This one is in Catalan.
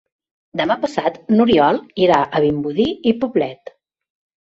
Demà passat n'Oriol irà a Vimbodí i Poblet.